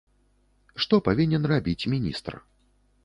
Што павінен рабіць міністр?